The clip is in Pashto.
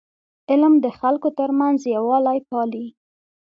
علم د خلکو ترمنځ یووالی پالي.